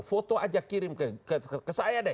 foto aja kirim ke saya deh